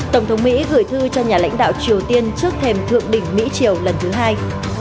tổng thống mỹ gửi thư cho nhà lãnh đạo triều tiên trước thềm thượng đỉnh mỹ triều lần thứ hai